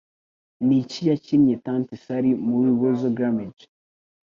Niki Yakinnye Tante Sally Muri Worzel Gummidge